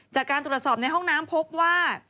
จากการตรวจสอบในห้องน้ำพบว่า